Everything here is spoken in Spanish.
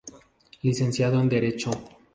Licenciado en Derecho.